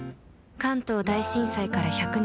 関東大震災から１００年。